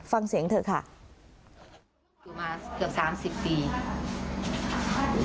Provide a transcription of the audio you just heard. ฟังเสียงเถอะค่ะอยู่มาเกือบสามสิบปี